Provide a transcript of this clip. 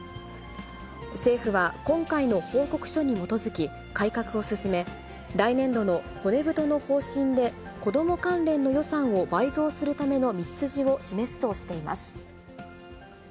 政府は、今回の報告書に基づき、改革を進め、来年度の骨太の方針で、子ども関連の予算を倍増するための道筋を示すとしています。